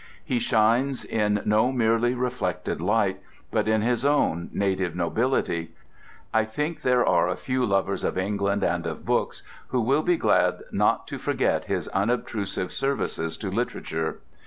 He shines in no merely reflected light, but in his own native nobility. I think there are a few lovers of England and of books who will be glad not to forget his unobtrusive services to literature.